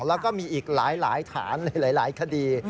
แล้วก็มีอีกหลายฐานในหลายคดี